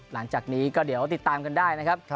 หลังจากนี้ก็เดี๋ยวติดตามกันได้นะครับ